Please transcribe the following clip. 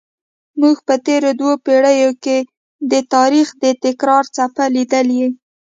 موږ په تېرو دوو پیړیو کې د تاریخ د تکرار څپه لیدلې.